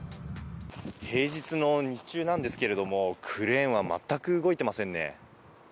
平日の日中なんですけどクレーンは全く動いていませんね。